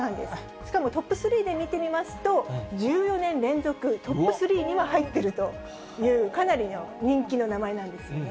しかもトップ３で見てみますと、１４年連続トップ３には入っているという、かなりの人気の名前なんですよね。